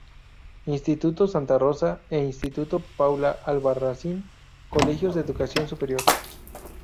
Instituto "Santa Rosa" e Instituto "Paula Albarracín" colegios de educación superior.